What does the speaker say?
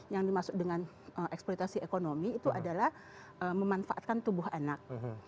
yang dimasukkan eksploitasi ekonomi itu adalah memanfaatkan tubuh anak